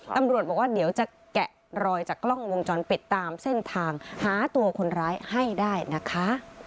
ตำรวจบอกว่าเดี๋ยวจะแกะรอยจากกล้องวงจรปิดตามเส้นทางหาตัวคนร้ายให้ได้นะคะ